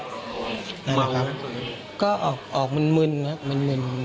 นั่นแหละครับก็ออกมึนนะครับมึน